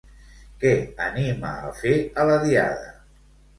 Què anima a fer a la Diada?